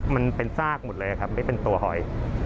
มันเป็นซากหมดเลยครับไม่เป็นตัวหอย